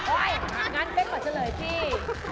โอ๊ยงั้นเป๊กก่อนเฉลยที่